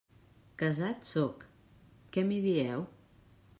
Casat sóc, què m'hi dieu?